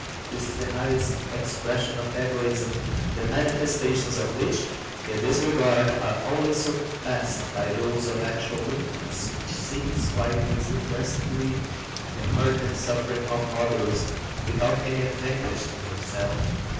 This is the highest expression of egoism, the manifestations of which in this regard are only surpassed by those of actual wickedness, which seeks, quite disinterestedly, the hurt and suffering of others, without any advantage to itself.